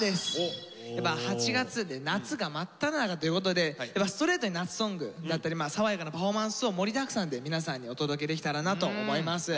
８月で夏が真っただ中ということでストレートに夏ソングだったり爽やかなパフォーマンスを盛りだくさんで皆さんにお届けできたらなと思います。